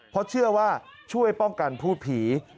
เพราะเชื่อว่าช่วยป้องกันพูดผี